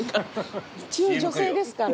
一応女性ですから。